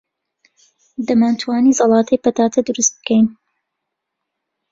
دەمانتوانی زەڵاتەی پەتاتە دروست بکەین.